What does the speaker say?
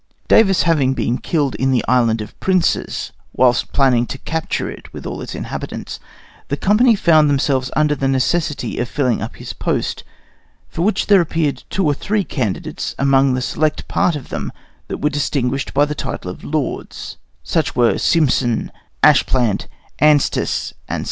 Davis having been killed in the Island of Princes whilst planning to capture it with all its inhabitants, the company found themselves under the necessity of filling up his post, for which there appeared two or three candidates among the select part of them that were distinguished by the title of Lords such were Sympson, Ashplant, Anstis, &c.